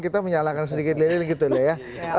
kita menyalakan sedikit lilin gitu ya